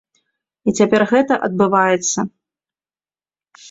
І цяпер гэта адбываецца.